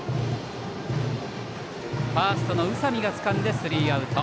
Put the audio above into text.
ファーストの宇佐美がつかんでスリーアウト。